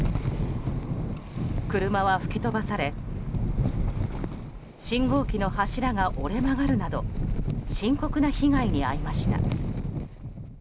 車は吹き飛ばされ信号機の柱が折れ曲がるなど深刻な被害に遭いました。